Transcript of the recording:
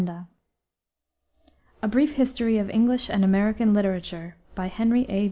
BRIEF HISTORY OF ENGLISH AND AMERICAN LITERATURE by HENRY A.